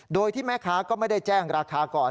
โดยที่แม่ค้าก็ไม่ได้แจ้งราคาก่อน